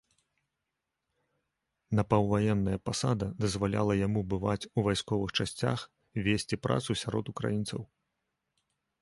Напаўваенная пасада дазваляла яму бываць у вайсковых часцях, весці працу сярод украінцаў.